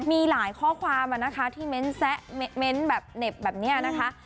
มีหลายข้อความนะคะที่เม้นแซะเม้นต์แบบเหน็บแบบนี้นะคะ